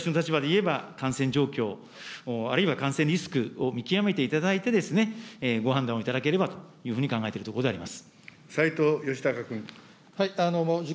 私の立場で言えば、感染状況、あるいは感染リスクを見極めていただいて、ご判断をいただければというふうに考えているところであります。